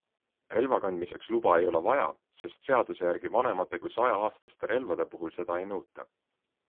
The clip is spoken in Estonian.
Relvakandmiseks luba ei ole vaja, sest seaduse järgi vanemate kui sajaaastaste relvade puhul seda ei nõuta.